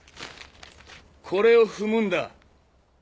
これを踏むんだ。